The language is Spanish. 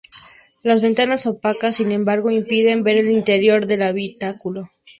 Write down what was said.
Las ventanas opacas sin embargo impiden ver el interior del habitáculo.